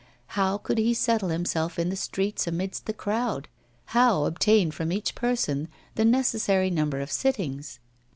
How could he settle himself in the streets amidst the crowd? how obtain from each person the necessary number of sittings?